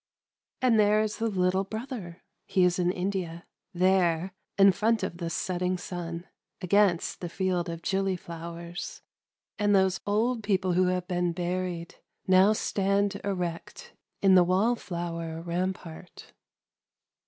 — And there is the little brother — (he is in India !) there, in front of the setting sun, against the field of gilly flowers ;— and those old people who have been buried, now stand erect in the wall flower rampart.